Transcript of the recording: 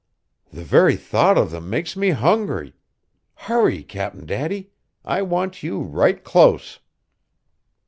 "The very thought of them makes me hungry! Hurry, Cap'n Daddy; I want you right close!"